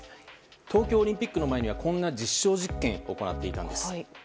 東京オリンピックの前にはこんな実証実験を行っていたんです。